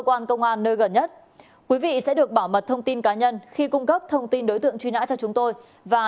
quý vị sẽ được bảo mật thông tin cá nhân khi cung cấp thông tin đối tượng truy nã cho chúng tôi và